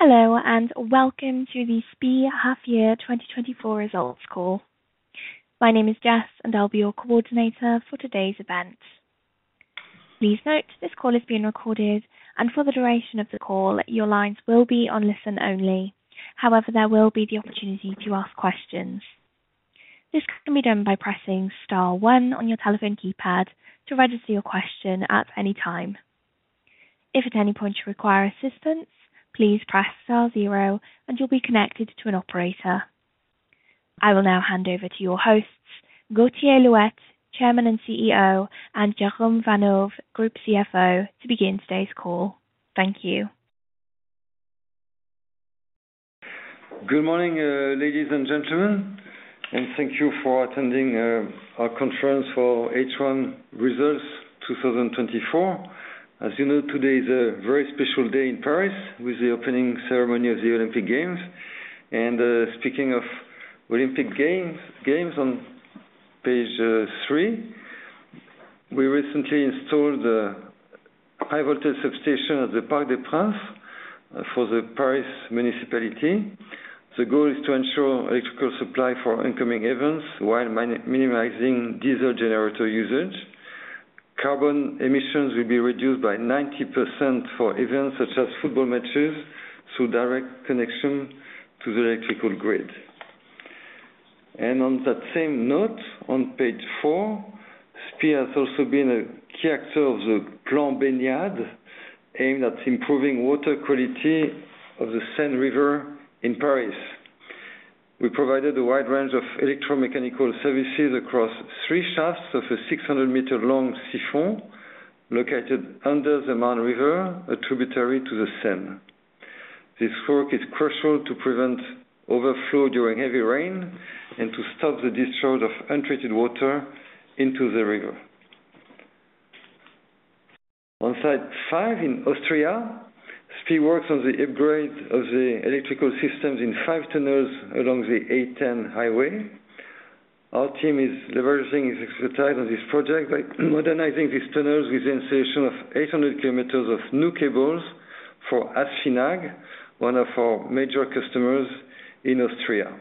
Hello, and welcome to the SPIE H1 2024 results call. My name is Jess, and I'll be your coordinator for today's event. Please note this call is being recorded, and for the duration of the call, your lines will be on listen-only. However, there will be the opportunity to ask questions. This can be done by pressing star one on your telephone keypad to register your question at any time. If at any point you require assistance, please press star zero, and you'll be connected to an operator. I will now hand over to your hosts, Gauthier Louette, Chairman and CEO, and Jérôme Vanhove, Group CFO, to begin today's call. Thank you. Good morning, ladies and gentlemen, and thank you for attending our conference for H1 Results 2024. As you know, today is a very special day in Paris with the opening ceremony of the Olympic Games. Speaking of Olympic Games, on page three, we recently installed a high-voltage substation at the Parc des Princes for the Paris municipality. The goal is to ensure electrical supply for incoming events while minimizing diesel generator usage. Carbon emissions will be reduced by 90% for events such as football matches through direct connection to the electrical grid. On that same note, on page four, SPIE has also been a key actor of the Plan Baignade aimed at improving water quality of the Seine River in Paris. We provided a wide range of electromechanical services across three shafts of a 600-meter-long siphon located under the Marne River, a tributary to the Seine. This work is crucial to prevent overflow during heavy rain and to stop the discharge of untreated water into the river. On slide five in Austria, SPIE works on the upgrade of the electrical systems in five tunnels along the A10 highway. Our team is leveraging its expertise on this project by modernizing these tunnels with the installation of 800 km of new cables for ASFINAG, one of our major customers in Austria.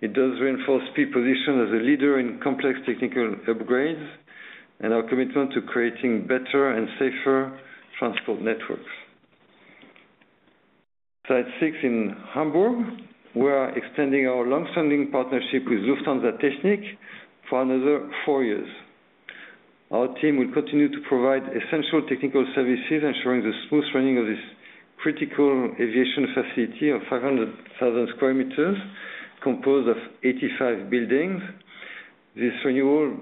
It does reinforce SPIE's position as a leader in complex technical upgrades and our commitment to creating better and safer transport networks. Slide six in Hamburg, we are extending our long-standing partnership with Lufthansa Technik for another four years. Our team will continue to provide essential technical services, ensuring the smooth running of this critical aviation facility of 500,000 sq m, composed of 85 buildings. This renewal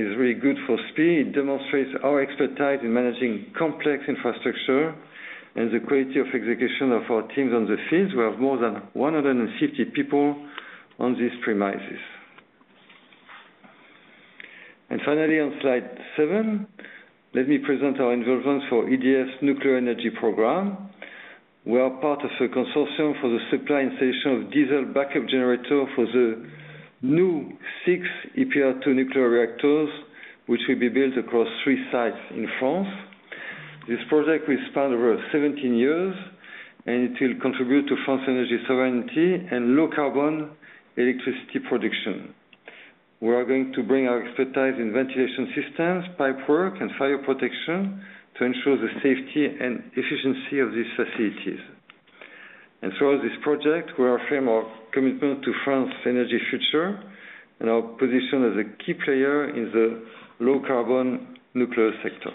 is really good for SPIE. It demonstrates our expertise in managing complex infrastructure and the quality of execution of our teams in the field. We have more than 150 people on these premises. Finally, on slide seven, let me present our involvement for EDF's nuclear energy program. We are part of a consortium for the supply and installation of diesel backup generators for the new six EPR2 nuclear reactors, which will be built across three sites in France. This project will span over 17 years, and it will contribute to France's energy sovereignty and low-carbon electricity production. We are going to bring our expertise in ventilation systems, pipework, and fire protection to ensure the safety and efficiency of these facilities. Throughout this project, we are proud of our commitment to France's energy future and our position as a key player in the low-carbon nuclear sector.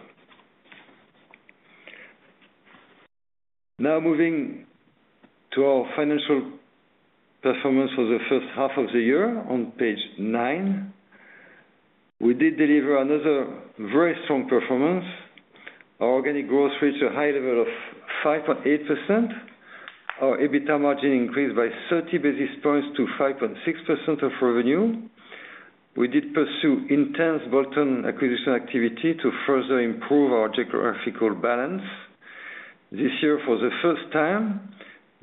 Now moving to our financial performance for the first half of the year, on page nine, we did deliver another very strong performance. Our organic growth reached a high level of 5.8%. Our EBITDA margin increased by 30 basis points to 5.6% of revenue. We did pursue intense bolt-on acquisition activity to further improve our geographical balance. This year, for the first time,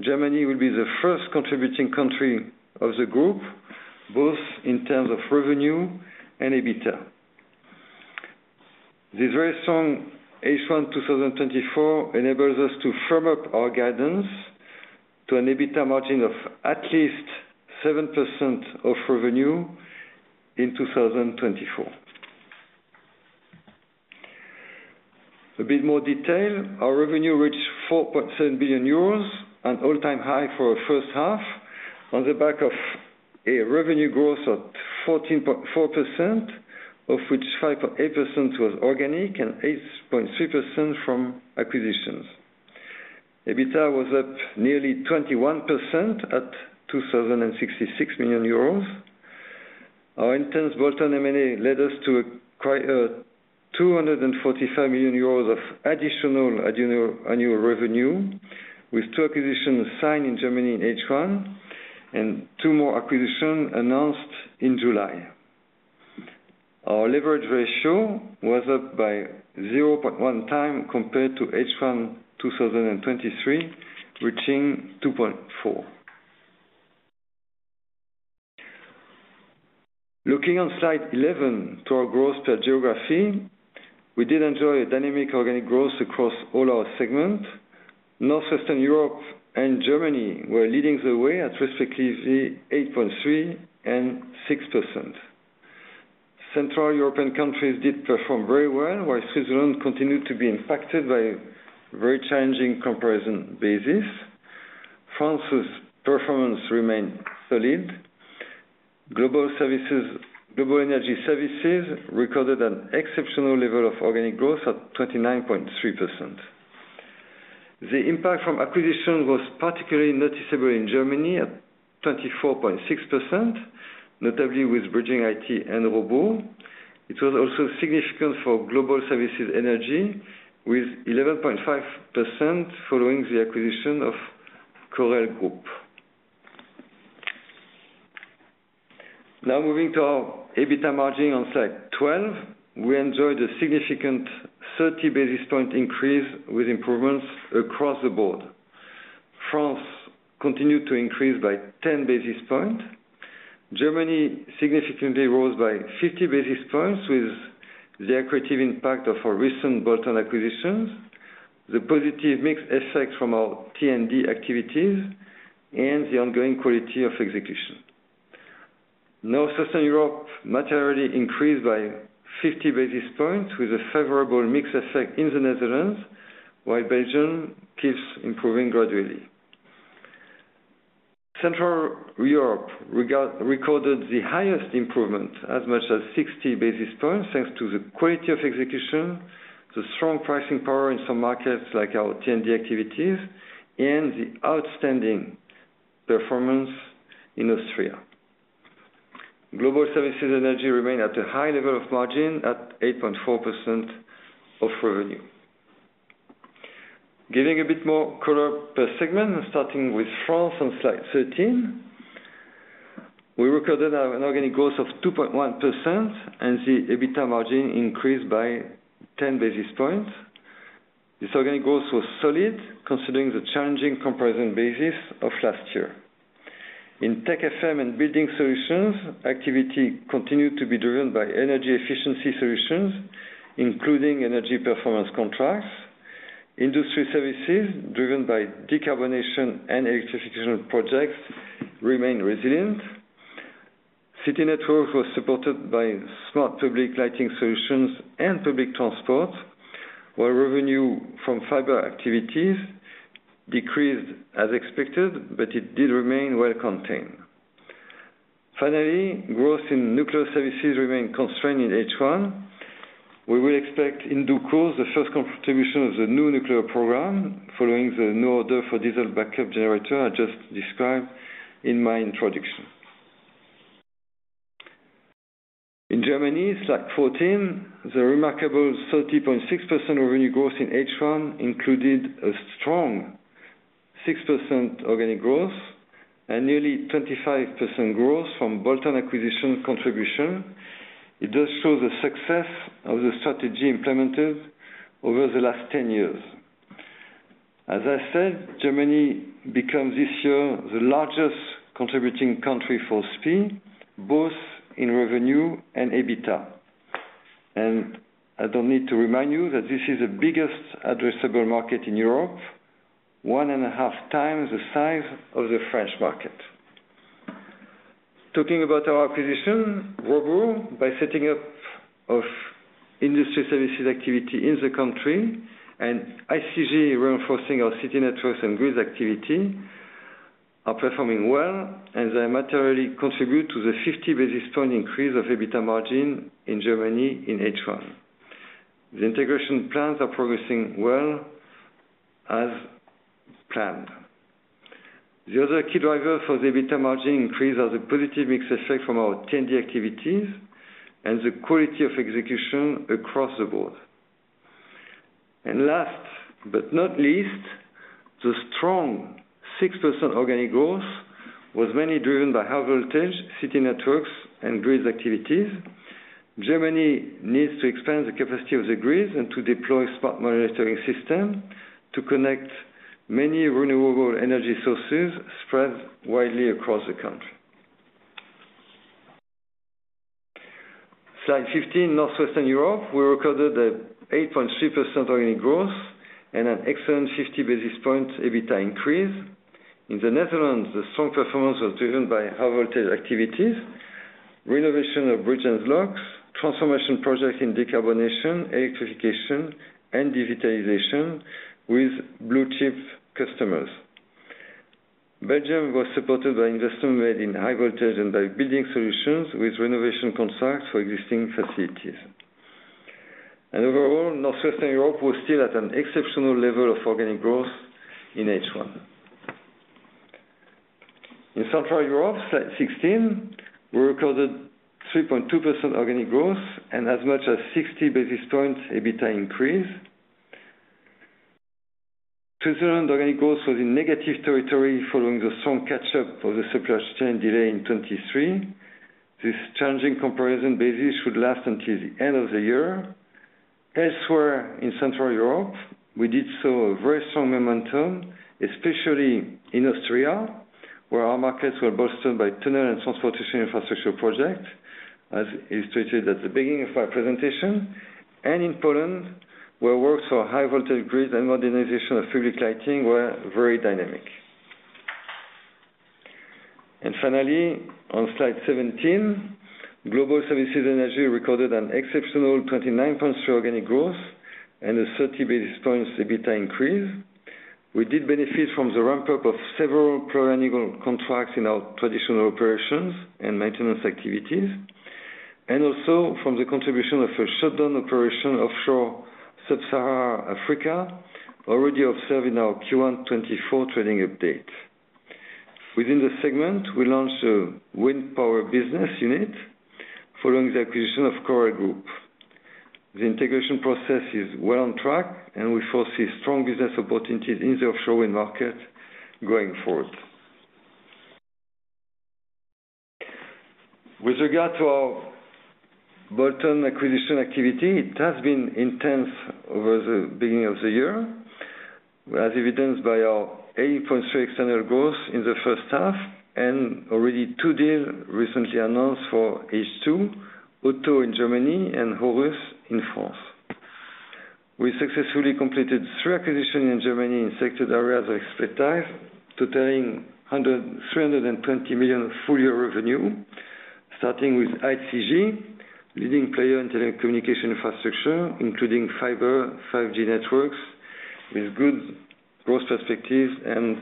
Germany will be the first contributing country of the group, both in terms of revenue and EBITDA. This very strong H1 2024 enables us to firm up our guidance to an EBITDA margin of at least 7% of revenue in 2024. A bit more detail, our revenue reached 4.7 billion euros, an all-time high for the first half, on the back of a revenue growth of 14.4%, of which 5.8% was organic and 8.3% from acquisitions. EBITDA was up nearly 21% at 2.066 billion euros. Our intense bolt-on M&A led us to 245 million euros of additional annual revenue, with two acquisitions signed in Germany in H1 and two more acquisitions announced in July. Our leverage ratio was up by 0.1x compared to H1 2023, reaching 2.4. Looking on slide 11 to our growth per geography, we did enjoy a dynamic organic growth across all our segments. Northwestern Europe and Germany were leading the way at respectively 8.3% and 6%. Central European countries did perform very well, while Switzerland continued to be impacted by very challenging comparison bases. France's performance remained solid. Global Services Energy recorded an exceptional level of organic growth at 29.3%. The impact from acquisitions was particularly noticeable in Germany at 24.6%, notably with bridgingIT and Robur. It was also significant for Global Services Energy, with 11.5% following the acquisition of Correll Group. Now moving to our EBITDA margin on slide 12, we enjoyed a significant 30 basis point increase with improvements across the board. France continued to increase by 10 basis points. Germany significantly rose by 50 basis points with the accretive impact of our recent bolt-on acquisitions, the positive mixed effect from our T&D activities, and the ongoing quality of execution. Northwestern Europe materially increased by 50 basis points with a favorable mixed effect in the Netherlands, while Belgium keeps improving gradually. Central Europe recorded the highest improvement, as much as 60 basis points, thanks to the quality of execution, the strong pricing power in some markets like our T&D activities, and the outstanding performance in Austria. Global Services Energy remained at a high level of margin at 8.4% of revenue. Giving a bit more color per segment, starting with France on slide 13, we recorded an organic growth of 2.1% and the EBITDA margin increased by 10 basis points. This organic growth was solid, considering the challenging comparison basis of last year. In Tech FM and Building Solutions, activity continued to be driven by energy efficiency solutions, including energy performance contracts. Industry Services driven by decarbonation and electrification projects remained resilient. City Networks were supported by smart public lighting solutions and public transport, while revenue from fiber activities decreased as expected, but it did remain well contained. Finally, growth in Nuclear Services remained constrained in H1. We will expect in due course the first contribution of the new nuclear program following the new order for diesel backup generator I just described in my introduction. In Germany, slide 14, the remarkable 30.6% revenue growth in H1 included a strong 6% organic growth and nearly 25% growth from bolt-on acquisition contribution. It does show the success of the strategy implemented over the last 10 years. As I said, Germany becomes this year the largest contributing country for SPIE, both in revenue and EBITDA. And I don't need to remind you that this is the biggest addressable market in Europe, 1.5x the size of the French market. Talking about our acquisition, Robur, by setting up Industry Services activity in the country and ICG reinforcing our City Networks and grid activity, are performing well, and they materially contribute to the 50 basis point increase of EBITDA margin in Germany in H1. The integration plans are progressing well as planned. The other key drivers for the EBITDA margin increase are the positive mix effect from our T&D activities and the quality of execution across the board. Last but not least, the strong 6% organic growth was mainly driven by high-voltage City Networks and grid activities. Germany needs to expand the capacity of the grid and to deploy a smart monitoring system to connect many renewable energy sources spread widely across the country. Slide 15, Northwestern Europe, we recorded an 8.3% organic growth and an excellent 50 basis points EBITDA increase. In the Netherlands, the strong performance was driven by high-voltage activities, renovation of bridges and locks, transformation projects in decarbonation, electrification, and digitalization with blue-chip customers. Belgium was supported by investments made in high voltage and by Building Solutions with renovation contracts for existing facilities. Overall, Northwestern Europe was still at an exceptional level of organic growth in H1. In Central Europe, slide 16, we recorded 3.2% organic growth and as much as 60 basis point EBITDA increase. Switzerland's organic growth was in negative territory following the strong catch-up of the supply chain delay in 2023. This challenging comparison basis should last until the end of the year. Elsewhere in Central Europe, we did see a very strong momentum, especially in Austria, where our markets were bolstered by tunnel and transportation infrastructure projects, as illustrated at the beginning of our presentation. In Poland, where works for high-voltage grid and modernization of public lighting were very dynamic. Finally, on slide 17, Global Services Energy recorded an exceptional 29.3% organic growth and a 30 basis point EBITDA increase. We did benefit from the ramp-up of several renewable contracts in our traditional operations and maintenance activities, and also from the contribution of a shutdown operation offshore Sub-Saharan Africa, already observed in our Q1 2024 trading update. Within the segment, we launched a wind power business unit following the acquisition of Correll Group. The integration process is well on track, and we foresee strong business opportunities in the offshore wind market going forward. With regard to our bolt-on acquisition activity, it has been intense over the beginning of the year, as evidenced by our 8.3% external growth in the first half and already two deals recently announced for H2, Otto in Germany and Horus in France. We successfully completed three acquisitions in Germany in selected areas of expertise, totaling 320 million full-year revenue, starting with ICG, leading player in telecommunication infrastructure, including fiber, 5G networks, with good growth perspectives and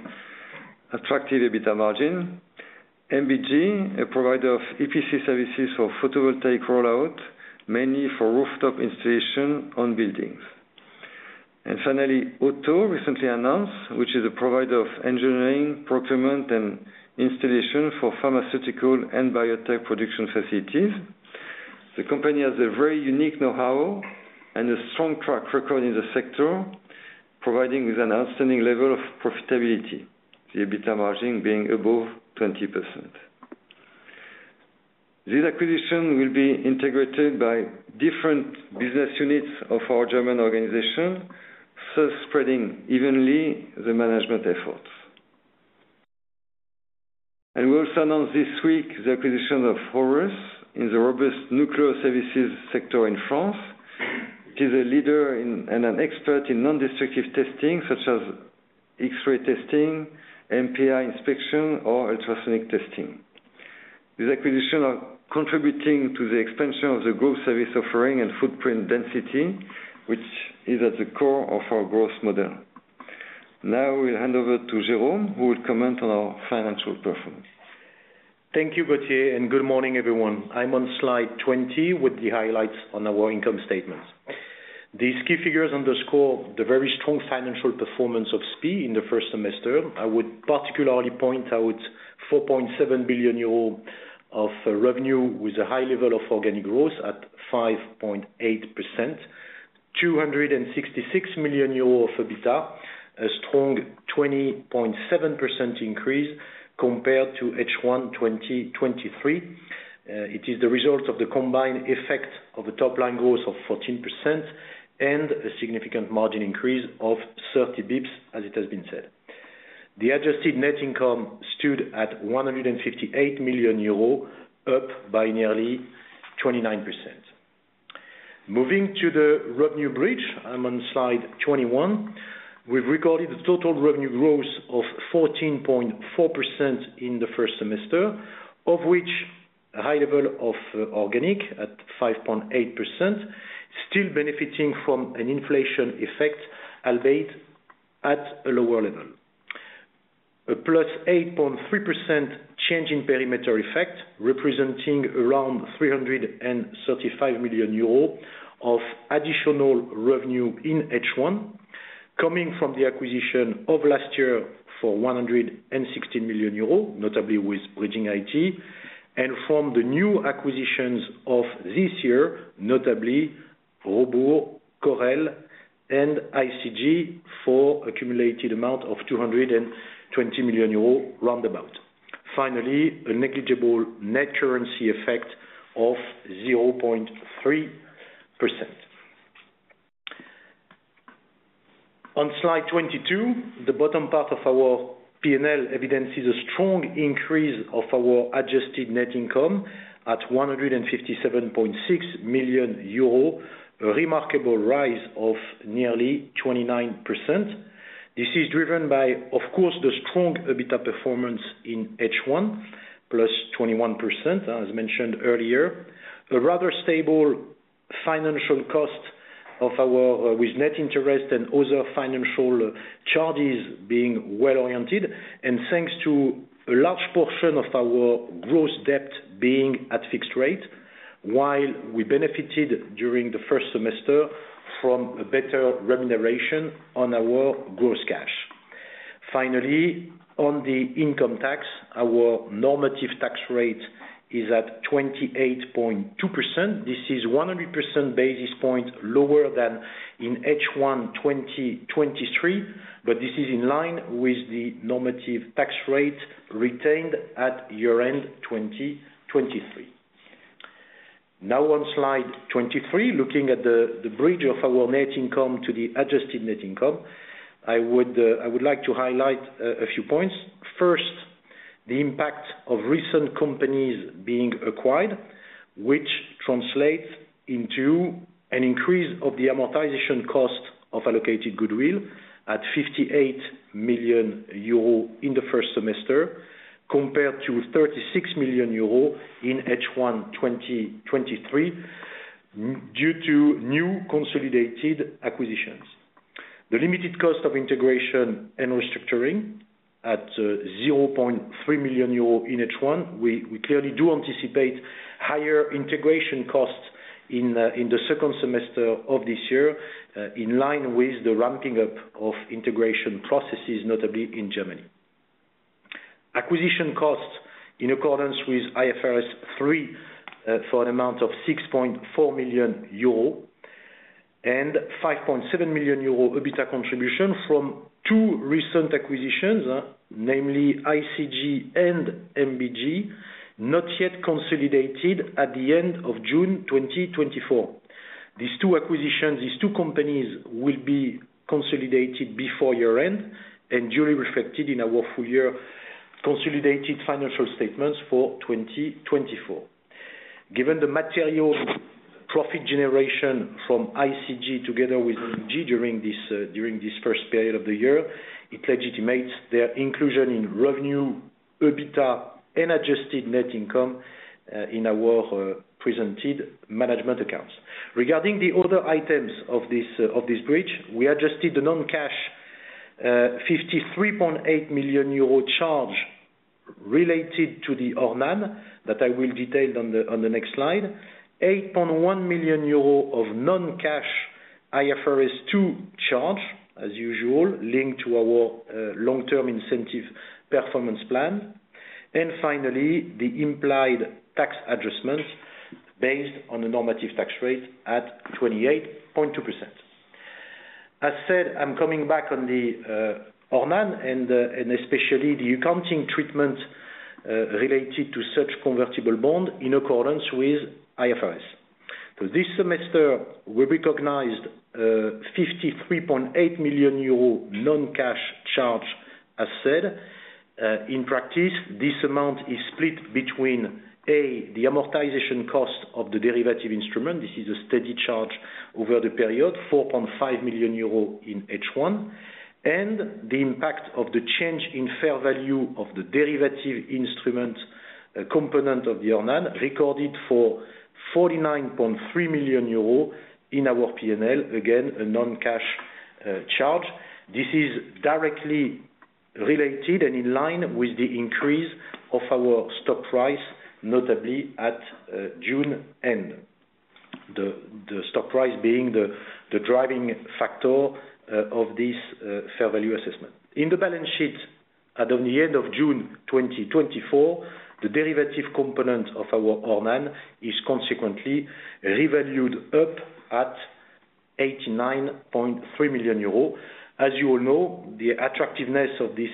attractive EBITDA margin. MBG, a provider of EPC services for photovoltaic rollout, mainly for rooftop installation on buildings. And finally, Otto, recently announced, which is a provider of engineering, procurement, and installation for pharmaceutical and biotech production facilities. The company has a very unique know-how and a strong track record in the sector, providing with an outstanding level of profitability, the EBITDA margin being above 20%. These acquisitions will be integrated by different business units of our German organization, so spreading evenly the management efforts. And we also announced this week the acquisition of Horus in the robust Nuclear Services sector in France. It is a leader and an expert in non-destructive testing, such as X-ray testing, MPI inspection, or ultrasonic testing. These acquisitions are contributing to the expansion of the group service offering and footprint density, which is at the core of our growth model. Now we'll hand over to Jérôme, who will comment on our financial performance. Thank you, Gauthier, and good morning, everyone. I'm on slide 20 with the highlights on our income statements. These key figures underscore the very strong financial performance of SPIE in the first semester. I would particularly point out 4.7 billion euro of revenue with a high level of organic growth at 5.8%, 266 million euros of EBITDA, a strong 20.7% increase compared to H1 2023. It is the result of the combined effect of a top-line growth of 14% and a significant margin increase of 30 basis points, as it has been said. The adjusted net income stood at 158 million euro, up by nearly 29%. Moving to the revenue bridge, I'm on slide 21. We've recorded the total revenue growth of 14.4% in the first semester, of which a high level of organic at 5.8%, still benefiting from an inflation effect albeit at a lower level. A +8.3% change in perimeter effect representing around 335 million euros of additional revenue in H1, coming from the acquisition of last year for 116 million euros, notably with bridgingIT, and from the new acquisitions of this year, notably Robur, Correll, and ICG for an accumulated amount of 220 million euros roundabout. Finally, a negligible net currency effect of 0.3%. On slide 22, the bottom part of our P&L evidences a strong increase of our adjusted net income at 157.6 million euro, a remarkable rise of nearly 29%. This is driven by, of course, the strong EBITDA performance in H1, +21%, as mentioned earlier. A rather stable financial cost of our net interest and other financial charges being well oriented, and thanks to a large portion of our gross debt being at fixed rate, while we benefited during the first semester from a better remuneration on our gross cash. Finally, on the income tax, our normative tax rate is at 28.2%. This is 100 basis points lower than in H1 2023, but this is in line with the normative tax rate retained at year-end 2023. Now on Slide 23, looking at the bridge of our net income to the adjusted net income, I would like to highlight a few points. First, the impact of recent companies being acquired, which translates into an increase of the amortization cost of allocated goodwill at 58 million euro in the first semester, compared to 36 million euro in H1 2023 due to new consolidated acquisitions. The limited cost of integration and restructuring at 0.3 million euro in H1. We clearly do anticipate higher integration costs in the second semester of this year, in line with the ramping up of integration processes, notably in Germany. Acquisition costs in accordance with IFRS 3 for an amount of 6.4 million euro and 5.7 million euro EBITDA contribution from two recent acquisitions, namely ICG and MBG, not yet consolidated at the end of June 2024. These two acquisitions, these two companies will be consolidated before year-end and duly reflected in our full-year consolidated financial statements for 2024. Given the material profit generation from ICG together with MBG during this first period of the year, it legitimates their inclusion in revenue, EBITDA, and adjusted net income in our presented management accounts. Regarding the other items of this bridge, we adjusted the non-cash 53.8 million euro charge related to the ORNAN that I will detail on the next slide, 8.1 million euro of non-cash IFRS 2 charge, as usual, linked to our long-term incentive performance plan. Finally, the implied tax adjustment based on the normative tax rate at 28.2%. As said, I'm coming back on the ORNAN and especially the accounting treatment related to such convertible bond in accordance with IFRS. This semester, we recognized 53.8 million euro non-cash charge, as said. In practice, this amount is split between A, the amortization cost of the derivative instrument. This is a steady charge over the period, 4.5 million euros in H1, and the impact of the change in fair value of the derivative instrument component of the ORNAN recorded for 49.3 million euros in our P&L, again, a non-cash charge. This is directly related and in line with the increase of our stock price, notably at June end. The stock price being the driving factor of this fair value assessment. In the balance sheet at the end of June 2024, the derivative component of our ORNAN is consequently revalued up at 89.3 million euros. As you all know, the attractiveness of this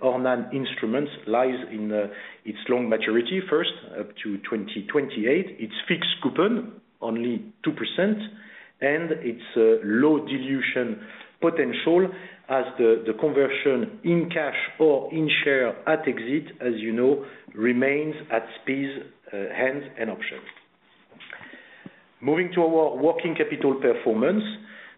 ORNAN instrument lies in its long maturity first up to 2028, its fixed coupon only 2%, and its low dilution potential as the conversion in cash or in share at exit, as you know, remains at SPIE's hands and options. Moving to our working capital performance,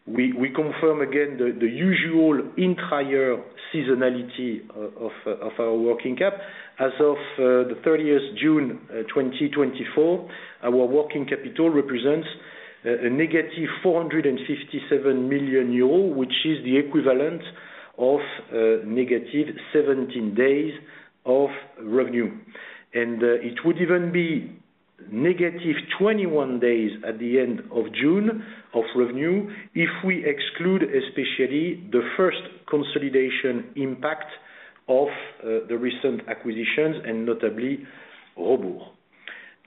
we confirm again the usual entire seasonality of our working cap. As of the 30th of June 2024, our working capital represents a -457 million euro, which is the equivalent of -17 days of revenue. It would even be - 21 days at the end of June of revenue if we exclude especially the first consolidation impact of the recent acquisitions and notably Robur.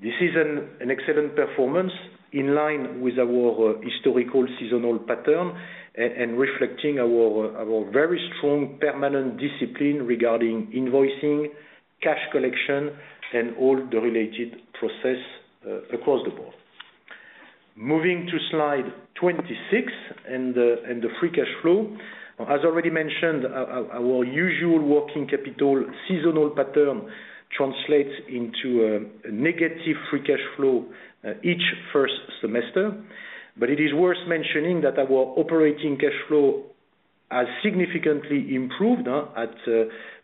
This is an excellent performance in line with our historical seasonal pattern and reflecting our very strong permanent discipline regarding invoicing, cash collection, and all the related processes across the board. Moving to slide 26 and the free cash flow. As already mentioned, our usual working capital seasonal pattern translates into a negative free cash flow each first semester. But it is worth mentioning that our operating cash flow has significantly improved at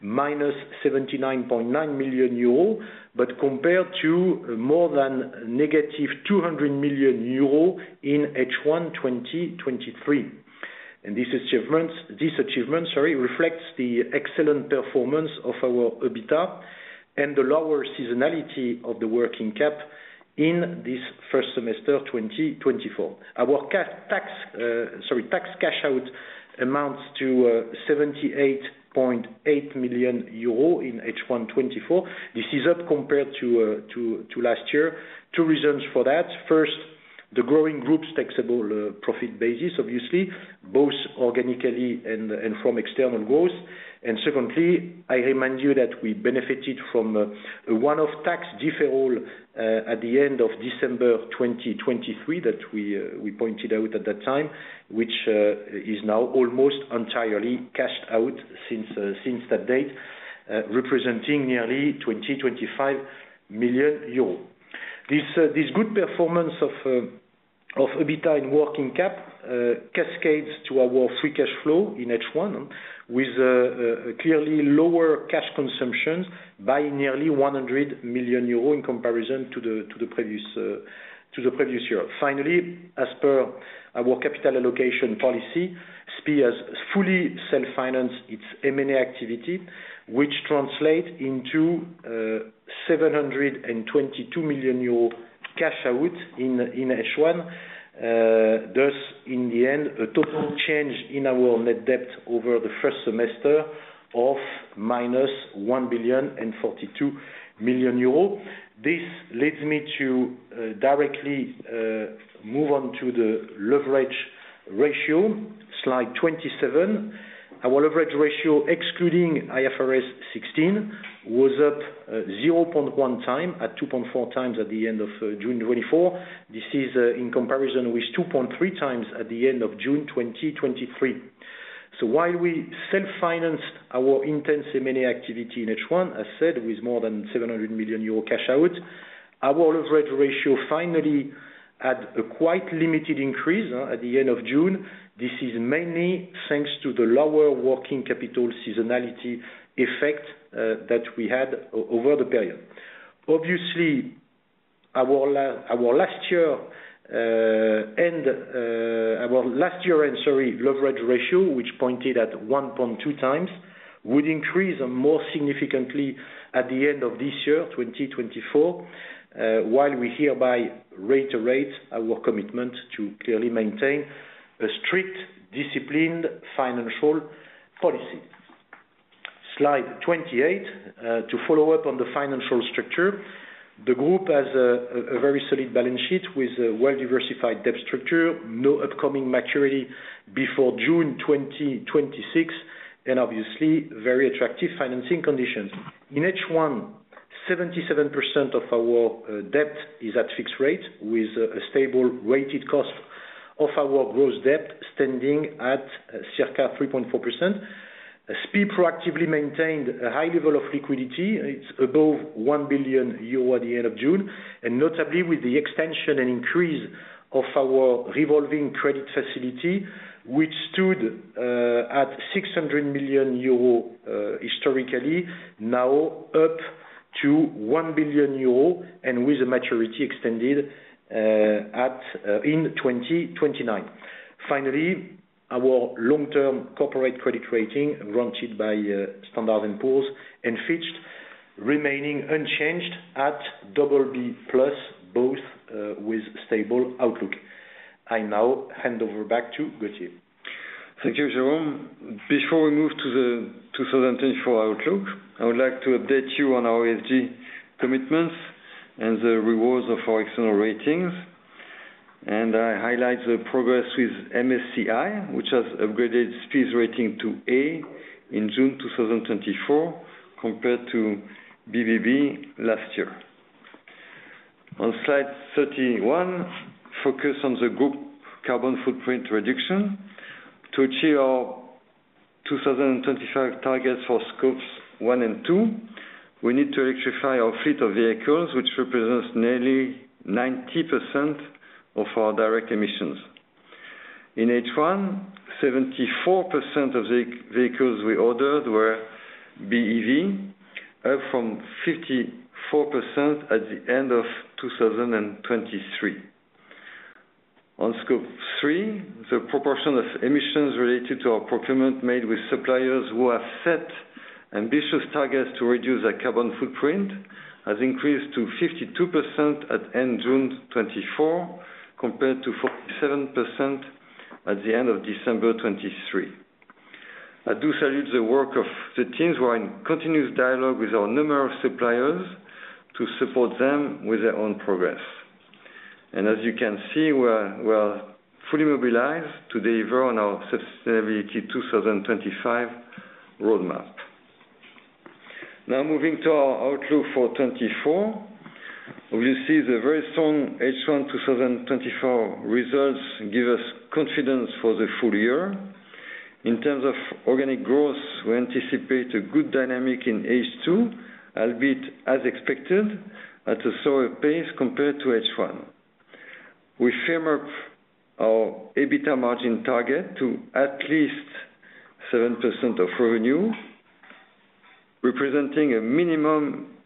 -79.9 million euro, but compared to more than -200 million euro in H1 2023. And this achievement reflects the excellent performance of our EBITDA and the lower seasonality of the working cap in this first semester 2024. Our tax cash out amounts to 78.8 million euro in H1 2024. This is up compared to last year. Two reasons for that. First, the growing group's taxable profit basis, obviously, both organically and from external growth. And secondly, I remind you that we benefited from a one-off tax deferral at the end of December 2023 that we pointed out at that time, which is now almost entirely cashed out since that date, representing nearly 20-25 million euros. This good performance of EBITDA and working cap cascades to our free cash flow in H1 with clearly lower cash consumptions by nearly 100 million euros in comparison to the previous year. Finally, as per our capital allocation policy, SPIE has fully self-financed its M&A activity, which translates into 722 million euros cash out in H1. Thus, in the end, a total change in our net debt over the first semester of -1,042 million euro. This leads me to directly move on to the leverage ratio, slide 27. Our leverage ratio, excluding IFRS 16, was up 0.1x at 2.4x at the end of June 2024. This is in comparison with 2.3x at the end of June 2023. So while we self-financed our intense M&A activity in H1, as said, with more than 700 million euro cash out, our leverage ratio finally had a quite limited increase at the end of June. This is mainly thanks to the lower working capital seasonality effect that we had over the period. Obviously, our last year and, sorry, leverage ratio, which pointed at 1.2 times, would increase more significantly at the end of this year, 2024, while we hereby reiterate our commitment to clearly maintain a strict disciplined financial policy. Slide 28. To follow up on the financial structure, the group has a very solid balance sheet with a well-diversified debt structure, no upcoming maturity before June 2026, and obviously, very attractive financing conditions. In H1, 77% of our debt is at fixed rate with a stable weighted cost of our gross debt standing at circa 3.4%. SPIE proactively maintained a high level of liquidity. It's above 1 billion euro at the end of June. Notably, with the extension and increase of our revolving credit facility, which stood at 600 million euro historically, now up to 1 billion euro and with a maturity extended in 2029. Finally, our long-term corporate credit rating granted by Standard & Poor's and Fitch remaining unchanged at BB+, both with stable outlook. I now hand over back to Gauthier. Thank you, Jérôme. Before we move to the 2024 outlook, I would like to update you on our ESG commitments and the rewards of our external ratings. I highlight the progress with MSCI, which has upgraded SPIE's rating to A in June 2024 compared to BBB last year. On slide 31, focus on the group carbon footprint reduction. To achieve our 2025 targets for scopes 1 and 2, we need to electrify our fleet of vehicles, which represents nearly 90% of our direct emissions. In H1, 74% of the vehicles we ordered were BEV, up from 54% at the end of 2023. On scope 3, the proportion of emissions related to our procurement made with suppliers who have set ambitious targets to reduce their carbon footprint has increased to 52% at end June 2024 compared to 47% at the end of December 2023. I do salute the work of the teams who are in continuous dialogue with our number of suppliers to support them with their own progress. And as you can see, we are fully mobilized to deliver on our Sustainability 2025 Roadmap. Now moving to our outlook for 2024, obviously, the very strong H1 2024 results give us confidence for the full year. In terms of organic growth, we anticipate a good dynamic in H2, albeit as expected at a slower pace compared to H1. We firm up our EBITDA margin target to at least 7% of revenue, representing a minimum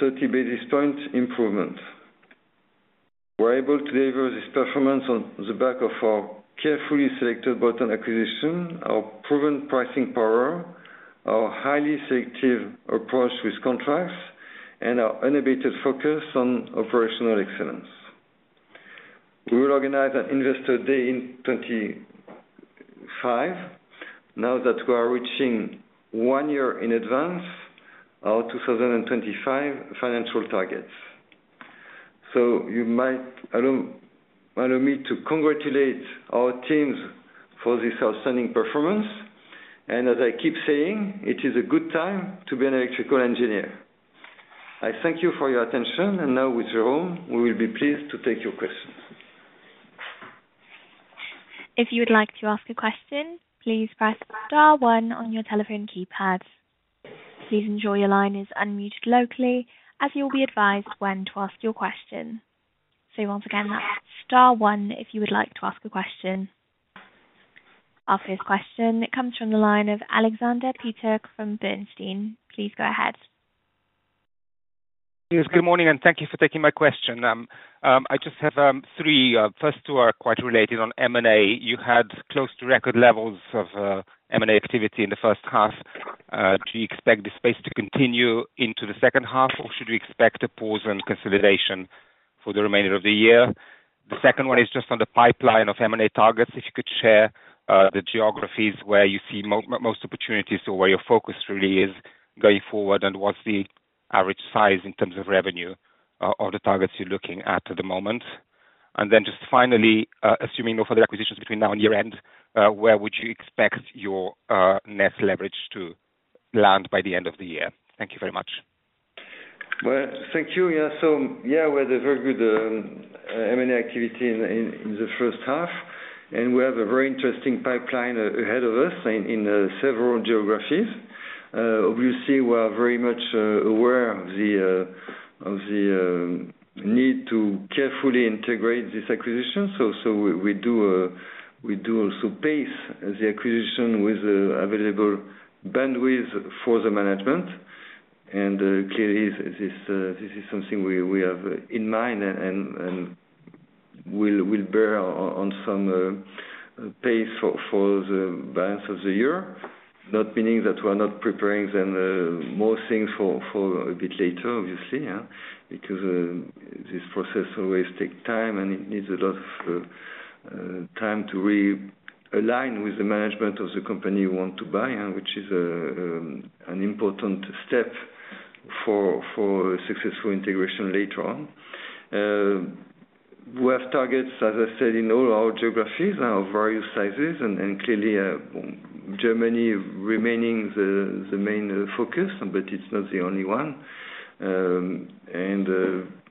30 basis points improvement. We're able to deliver this performance on the back of our carefully selected bolt-on acquisition, our proven pricing power, our highly selective approach with contracts, and our innovative focus on operational excellence. We will organize an investor day in 2025, now that we are reaching one year in advance our 2025 financial targets. So you might allow me to congratulate our teams for this outstanding performance. And as I keep saying, it is a good time to be an electrical engineer. I thank you for your attention. And now, with Jérôme, we will be pleased to take your questions. If you would like to ask a question, please press star one on your telephone keypad. Please ensure your line is unmuted locally, as you'll be advised when to ask your question. So once again, that's star one if you would like to ask a question. Our first question comes from the line of Alexander Peterc from Bernstein. Please go ahead. Yes, good morning, and thank you for taking my question. I just have three. First two are quite related on M&A. You had close to record levels of M&A activity in the first half. Do you expect this space to continue into the second half, or should we expect a pause and consolidation for the remainder of the year? The second one is just on the pipeline of M&A targets. If you could share the geographies where you see most opportunities or where your focus really is going forward, and what's the average size in terms of revenue of the targets you're looking at at the moment? And then just finally, assuming no further acquisitions between now and year-end, where would you expect your net leverage to land by the end of the year? Thank you very much. Thank you. Yeah, so yeah, we had a very good M&A activity in the first half, and we have a very interesting pipeline ahead of us in several geographies. Obviously, we are very much aware of the need to carefully integrate these acquisitions. So we do also pace the acquisition with the available bandwidth for the management. And clearly, this is something we have in mind and will bear on some pace for the balance of the year, not meaning that we are not preparing them more things for a bit later, obviously, because this process always takes time and it needs a lot of time to realign with the management of the company you want to buy, which is an important step for successful integration later on. We have targets, as I said, in all our geographies of various sizes, and clearly, Germany remaining the main focus, but it's not the only one.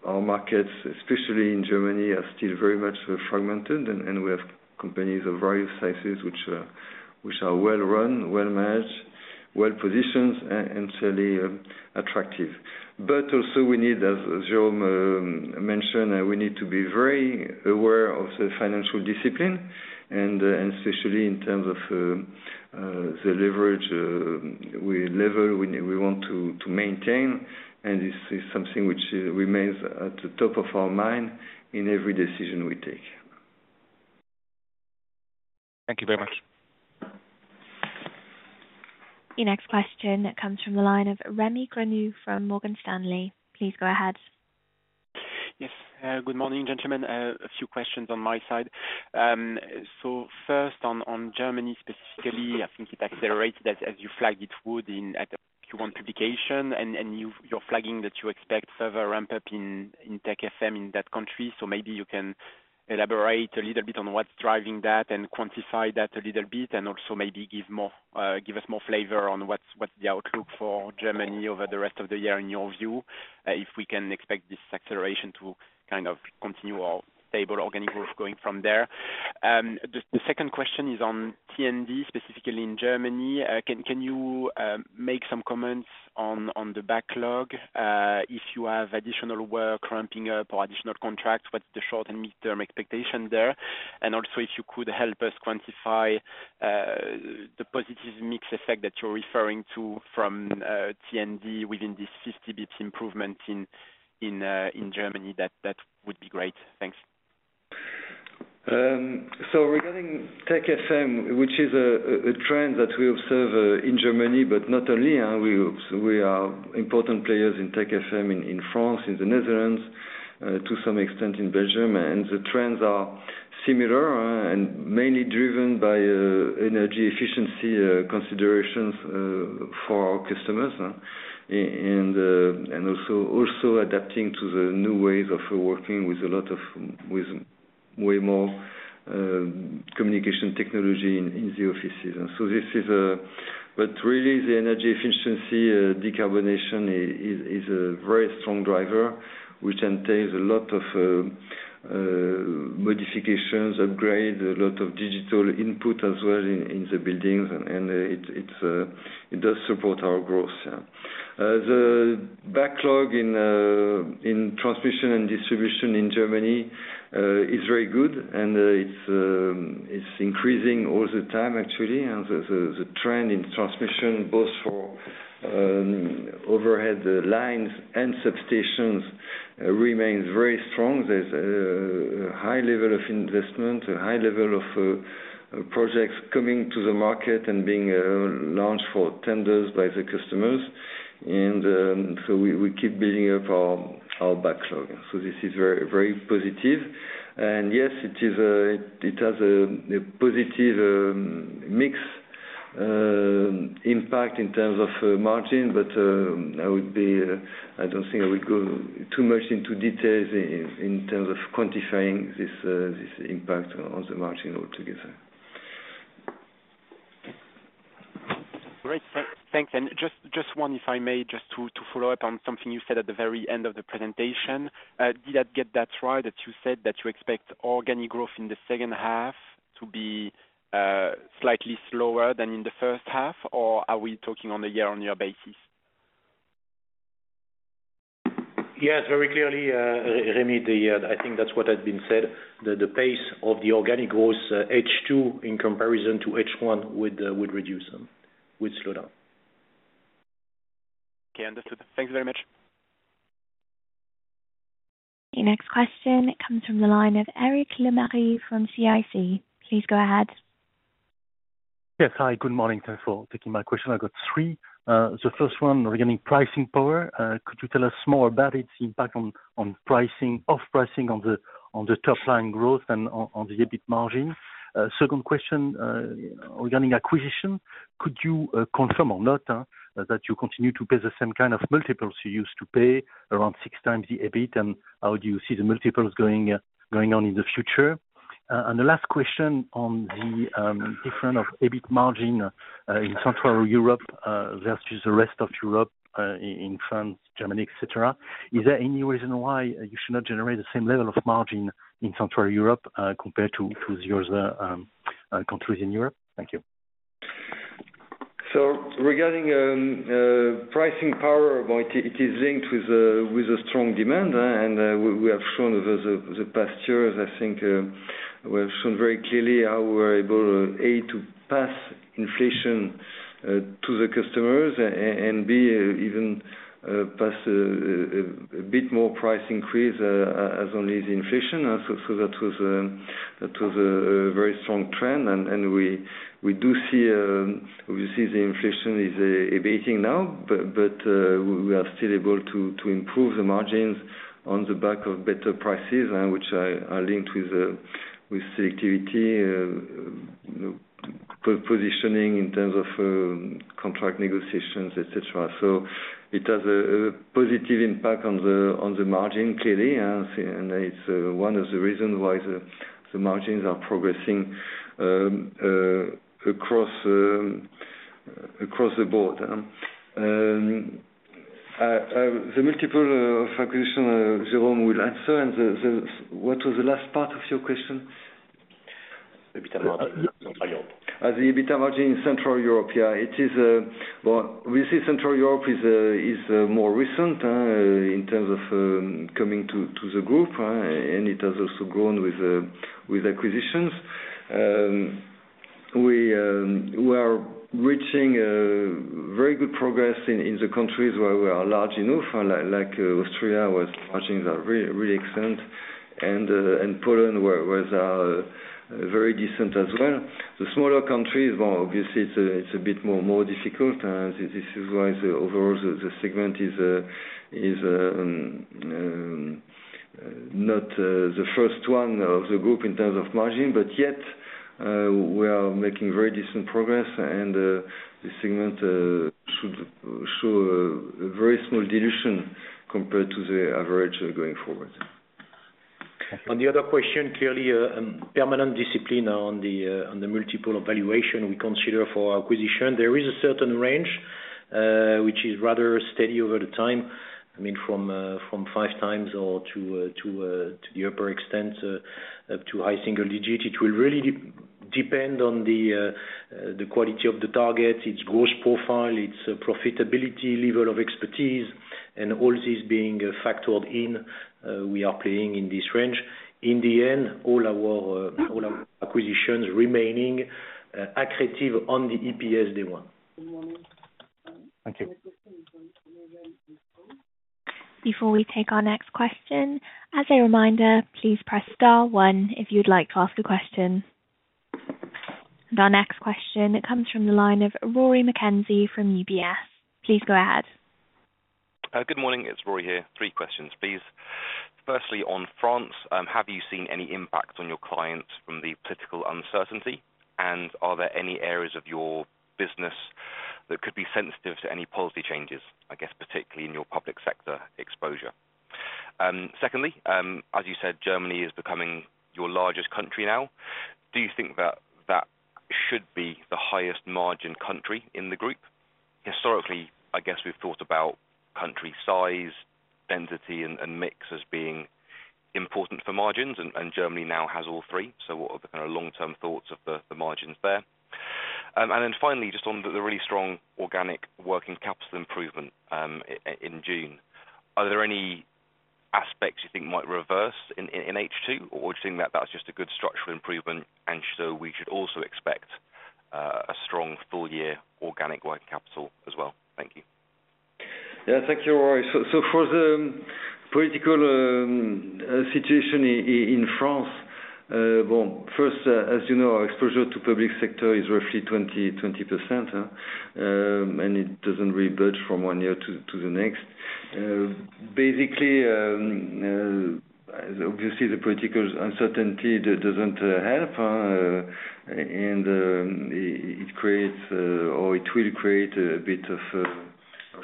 Our markets, especially in Germany, are still very much fragmented, and we have companies of various sizes which are well-run, well-managed, well-positioned, and fairly attractive. But also, we need, as Jérôme mentioned, we need to be very aware of the financial discipline, and especially in terms of the leverage level we want to maintain. And this is something which remains at the top of our mind in every decision we take. Thank you very much. The next question comes from the line of Rémi Grenu from Morgan Stanley. Please go ahead. Yes, good morning, gentlemen. A few questions on my side. So first, on Germany specifically, I think it accelerated as you flagged it would in Q1 publication, and you're flagging that you expect further ramp-up in Tech FM in that country. Maybe you can elaborate a little bit on what's driving that and quantify that a little bit, and also maybe give us more flavor on what's the outlook for Germany over the rest of the year in your view, if we can expect this acceleration to kind of continue or stable organic growth going from there. The second question is on T&D, specifically in Germany. Can you make some comments on the backlog? If you have additional work ramping up or additional contracts, what's the short and mid-term expectation there? And also, if you could help us quantify the positive mix effect that you're referring to from T&D within this 50 basis point improvement in Germany, that would be great. Thanks. So regarding Tech FM, which is a trend that we observe in Germany, but not only, we are important players in Tech FM in France, in the Netherlands, to some extent in Belgium. The trends are similar and mainly driven by energy efficiency considerations for our customers and also adapting to the new ways of working with a lot of way more communication technology in the offices. So this is, but really, the energy efficiency decarbonization is a very strong driver, which entails a lot of modifications, upgrades, a lot of digital input as well in the buildings, and it does support our growth. The backlog in transmission and distribution in Germany is very good, and it's increasing all the time, actually. The trend in transmission, both for overhead lines and substations, remains very strong. There's a high level of investment, a high level of projects coming to the market and being launched for tenders by the customers. And so we keep building up our backlog. So this is very positive. And yes, it has a positive mix impact in terms of margin, but I don't think I would go too much into details in terms of quantifying this impact on the margin altogether. Great. Thanks. And just one, if I may, just to follow up on something you said at the very end of the presentation, did I get that right that you said that you expect organic growth in the second half to be slightly slower than in the first half, or are we talking on a year-on-year basis? Yes, very clearly, Rémi, I think that's what had been said. The pace of the organic growth, H2 in comparison to H1, would reduce, would slow down. Okay, understood. Thanks very much. The next question comes from the line of Eric Lemarié from CIC. Please go ahead. Yes, hi, good morning. Thanks for taking my question. I got three. The first one regarding pricing power. Could you tell us more about its impact on pricing, off-pricing on the top line growth and on the EBIT margin? Second question regarding acquisition. Could you confirm or not that you continue to pay the same kind of multiples you used to pay, around 6x the EBIT, and how do you see the multiples going on in the future? And the last question on the difference of EBIT margin in Central Europe versus the rest of Europe, in France, Germany, etc. Is there any reason why you should not generate the same level of margin in Central Europe compared to the other countries in Europe? Thank you. So regarding pricing power, it is linked with a strong demand, and we have shown over the past years, I think we have shown very clearly how we're able to, A, to pass inflation to the customers, and B, even pass a bit more price increase as only the inflation. So that was a very strong trend, and we do see the inflation is abating now, but we are still able to improve the margins on the back of better prices, which are linked with selectivity, positioning in terms of contract negotiations, etc. So it has a positive impact on the margin clearly, and it's one of the reasons why the margins are progressing across the board. The multiple of acquisition, Jérôme will answer, and what was the last part of your question? EBITDA margin in Central Europe. The EBITDA margin in Central Europe, yeah. Well, we see Central Europe is more recent in terms of coming to the group, and it has also grown with acquisitions. We are reaching very good progress in the countries where we are large enough, like Austria was margins are really excellent, and Poland was very decent as well. The smaller countries, well, obviously, it's a bit more difficult, and this is why overall the segment is not the first one of the group in terms of margin, but yet we are making very decent progress, and the segment should show a very small dilution compared to the average going forward. On the other question, clearly, permanent discipline on the multiple of valuation we consider for acquisition. There is a certain range, which is rather steady over the time, I mean, from 5x or to the upper extent up to high single-digit. It will really depend on the quality of the target, its growth profile, its profitability level of expertise, and all these being factored in, we are playing in this range. In the end, all our acquisitions remaining accretive on the EPS day one. Thank you. Before we take our next question, as a reminder, please press star one if you'd like to ask a question. Our next question, it comes from the line of Rory McKenzie from UBS. Please go ahead. Good morning, it's Rory here. Three questions, please. Firstly, on France, have you seen any impact on your clients from the political uncertainty, and are there any areas of your business that could be sensitive to any policy changes, I guess, particularly in your public sector exposure? Secondly, as you said, Germany is becoming your largest country now. Do you think that that should be the highest margin country in the group? Historically, I guess we've thought about country size, density, and mix as being important for margins, and Germany now has all three. So what are the kind of long-term thoughts of the margins there? And then finally, just on the really strong organic working capital improvement in June, are there any aspects you think might reverse in H2, or do you think that that's just a good structural improvement, and so we should also expect a strong full-year organic working capital as well? Thank you. Yeah, thank you, Rory. So for the political situation in France, well, first, as you know, our exposure to public sector is roughly 20%, and it doesn't really budge from one year to the next. Basically, obviously, the political uncertainty doesn't help, and it creates, or it will create a bit of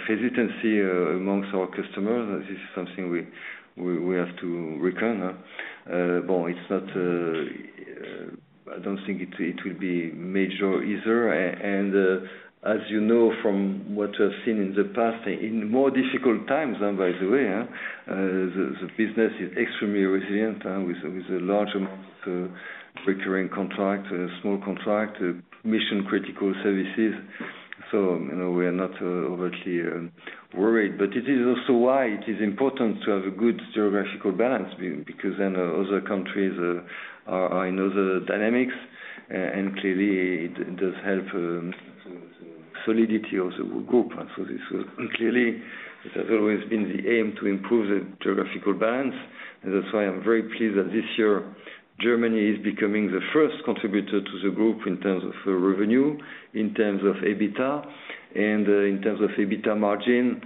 hesitancy amongst our customers. This is something we have to reckon. Well, I don't think it will be major either. And as you know from what we have seen in the past, in more difficult times, by the way, the business is extremely resilient with a large amount of recurring contracts, small contracts, mission-critical services. So we are not overtly worried. But it is also why it is important to have a good geographical balance because then other countries are in other dynamics, and clearly, it does help the solidity of the group. Clearly, it has always been the aim to improve the geographical balance, and that's why I'm very pleased that this year, Germany is becoming the first contributor to the group in terms of revenue, in terms of EBITDA, and in terms of EBITDA margin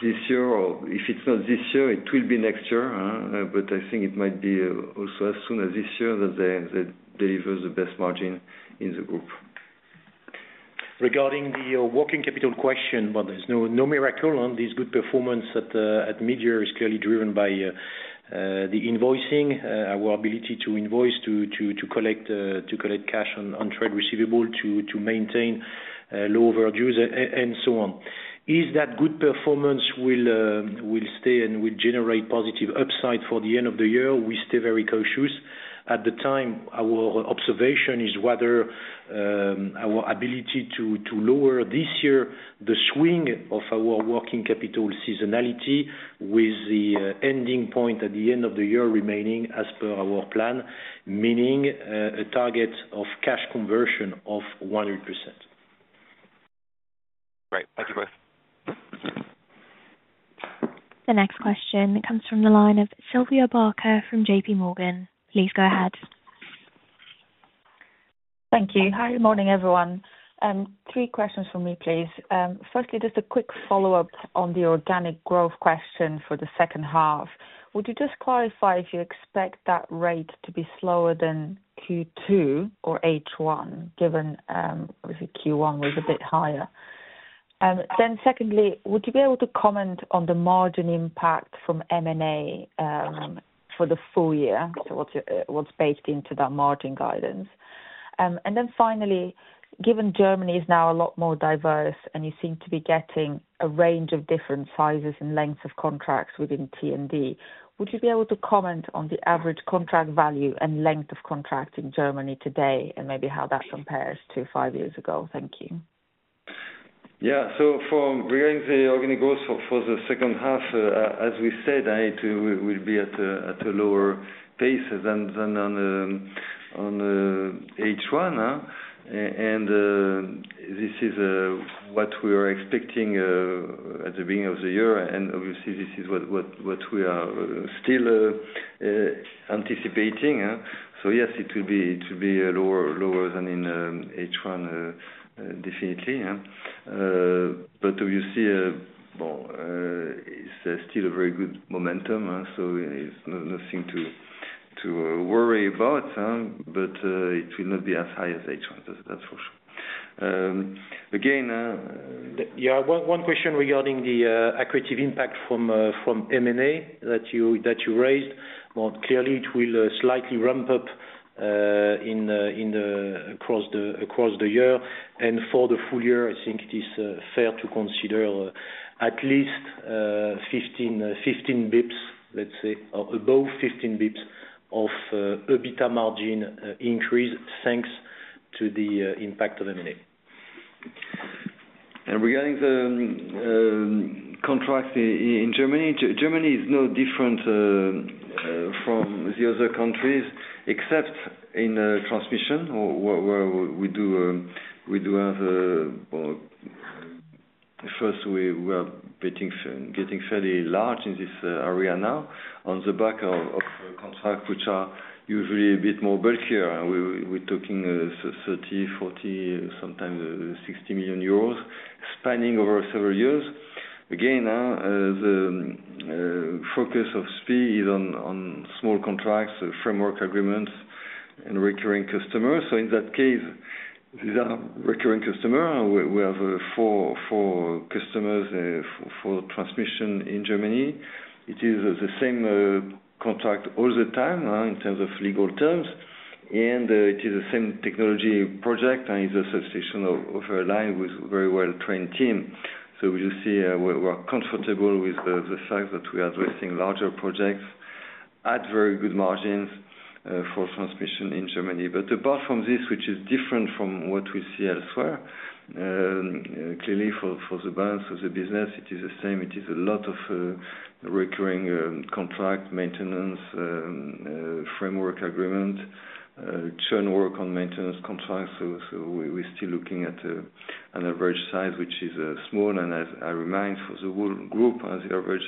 this year, or if it's not this year, it will be next year, but I think it might be also as soon as this year that they deliver the best margin in the group. Regarding the working capital question, well, there's no miracle. This good performance at mid-year is clearly driven by the invoicing, our ability to invoice, to collect cash on trade receivable, to maintain low overdues, and so on. Is that good performance will stay and will generate positive upside for the end of the year? We stay very cautious. At the time, our observation is whether our ability to lower this year the swing of our working capital seasonality with the ending point at the end of the year remaining as per our plan, meaning a target of cash conversion of 100%. Great. Thank you both. The next question comes from the line of Sylvia Barker from J.P. Morgan. Please go ahead. Thank you. Hi, good morning, everyone. Three questions for me, please. Firstly, just a quick follow-up on the organic growth question for the second half. Would you just clarify if you expect that rate to be slower than Q2 or H1, given obviously Q1 was a bit higher? Then secondly, would you be able to comment on the margin impact from M&A for the full year? So what's baked into that margin guidance? And then finally, given Germany is now a lot more diverse and you seem to be getting a range of different sizes and lengths of contracts within T&D, would you be able to comment on the average contract value and length of contract in Germany today and maybe how that compares to five years ago? Thank you. Yeah. So for regarding the organic growth for the second half, as we said, we'll be at a lower pace than on H1, and this is what we were expecting at the beginning of the year, and obviously, this is what we are still anticipating. So yes, it will be lower than in H1, definitely. But obviously, well, it's still a very good momentum, so there's nothing to worry about, but it will not be as high as H1, that's for sure. Again. Yeah, one question regarding the accretive impact from M&A that you raised. Well, clearly, it will slightly ramp up across the year, and for the full year, I think it is fair to consider at least 15 basis points, let's say, or above 15 basis points of EBITDA margin increase thanks to the impact of M&A. And regarding the contracts in Germany, Germany is no different from the other countries, except in transmission, where we do have first, we are getting fairly large in this area now on the back of contracts which are usually a bit more bulkier. We're talking 30 million, 40 million, sometimes 60 million euros, spanning over several years. Again, the focus of SPIE is on small contracts, framework agreements, and recurring customers. So in that case, these are recurring customers. We have four customers for transmission in Germany. It is the same contract all the time in terms of legal terms, and it is the same technology project, and it's a substitution of a line with a very well-trained team. So we do see we're comfortable with the fact that we are addressing larger projects at very good margins for transmission in Germany. But apart from this, which is different from what we see elsewhere, clearly for the balance of the business, it is the same. It is a lot of recurring contract, maintenance, framework agreement, churn work on maintenance contracts. So we're still looking at an average size, which is small, and as I remind, for the whole group, the average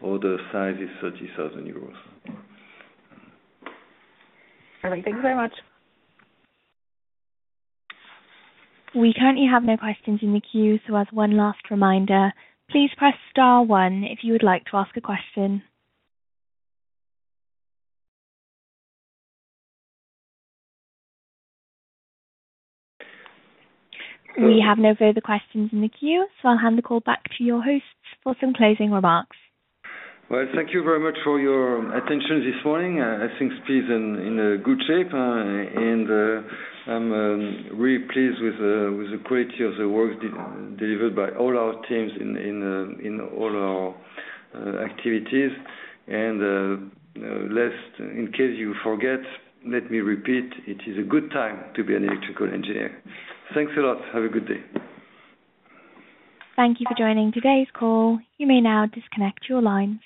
order size is 30,000 euros. All right. Thank you very much. We currently have no questions in the queue, so as one last reminder, please press star one if you would like to ask a question. We have no further questions in the queue, so I'll hand the call back to your hosts for some closing remarks. Well, thank you very much for your attention this morning. I think SPIE is in good shape, and I'm really pleased with the quality of the work delivered by all our teams in all our activities. And in case you forget, let me repeat, it is a good time to be an electrical engineer. Thanks a lot. Have a good day. Thank you for joining today's call. You may now disconnect your lines.